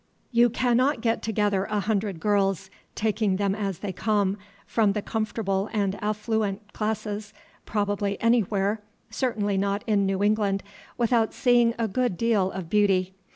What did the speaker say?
You cannot get together a hundred girls, taking them as they come, from the comfortable and affluent classes, probably anywhere, certainly not in New England, without seeing a good deal of beauty.